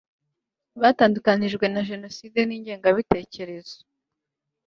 batandukanijwe na jenoside n ingengabitekerezo